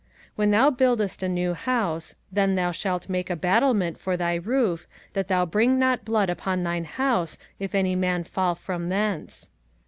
05:022:008 When thou buildest a new house, then thou shalt make a battlement for thy roof, that thou bring not blood upon thine house, if any man fall from thence.